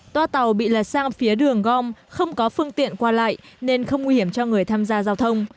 toa tàu bị lật sang phía đường gom không có phương tiện qua lại nên không nguy hiểm cho người tham gia giao thông